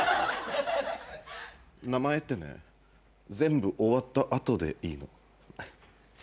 名前ってね全部終わった後でいいの。